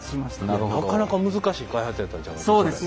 なかなか難しい開発やったんちゃいます？